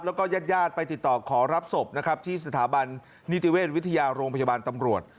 แล้วก็ญาติญาติไปติดต่อขอรับศพนะครับที่สถาบันนิติเวชวิทยาโรงพยาบาลตำรวจ